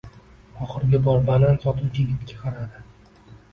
Oxirgi bor banan sotuvchi yigitga qaradi.